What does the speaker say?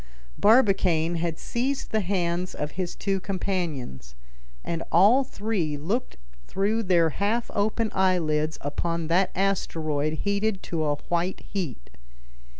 Barbicane had seized the hands of his two companions, and all three looked through their half open eyelids upon that asteroid heated to a white heat.